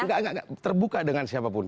nggak nggak nggak terbuka dengan siapapun